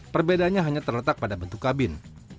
perbedaannya hanya terletak pada bentuk kabin